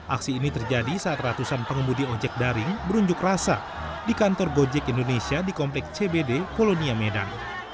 aksi ini terjadi saat ratusan pengemudi ojek daring berunjuk rasa di kantor gojek indonesia di komplek cbd kolonia medan